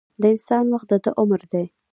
د انسان وخت دده عمر دی.